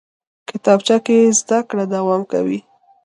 کتابچه کې زده کړه دوام کوي